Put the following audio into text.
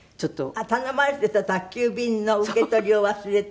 頼まれていた宅急便の受け取りを忘れて。